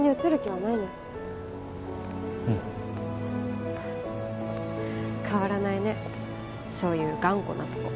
変わらないねそういう頑固なとこ。